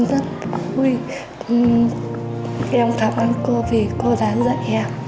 em rất vui em cảm ơn cô vì cô đã dạy em